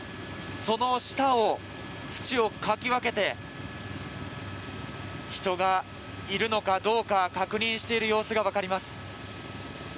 その下を土をかき分けて人がいるのかどうか確認している様子がわかります。